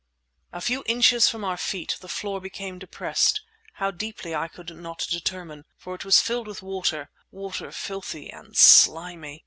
A few inches from our feet the floor became depressed, how deeply I could not determine, for it was filled with water, water filthy and slimy!